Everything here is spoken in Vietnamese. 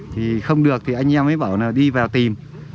thì không được thì anh em mới bảo là đi vào tìm